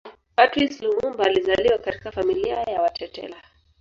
Patrice Lumumba alizaliwa katika familia ya Watetela